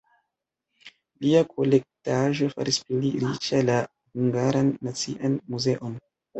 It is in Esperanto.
Lia kolektaĵo faris pli riĉa la Hungaran Nacian Muzeon.